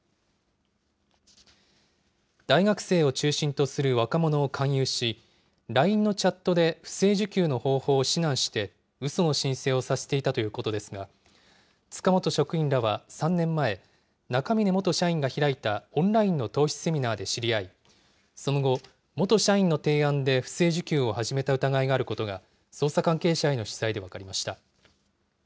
大学生を中心とする若者を勧誘し、ＬＩＮＥのチャットで不正受給の方法を指南して、うその申請をさせていたということですが、塚本職員らは３年前、中峯元社員が開いたオンラインの投資セミナーで知り合い、その後、元社員の提案で不正受給を始めた疑いがあることが捜査関係者への取材で分かりました。